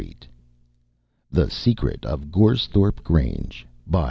IX THE SECRET OF GORESTHORPE GRANGE A.